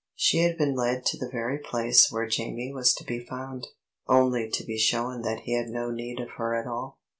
She had been led to the very place where Jamie was to be found, only to be shown that he had no need of her at all.